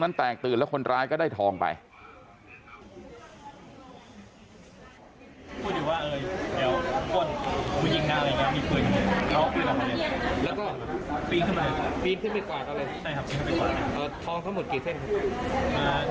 หนึ่งถาดคือเอาถาดมันเป็นถาดที่เส้นใหญ่ที่สุดใช่มั้ย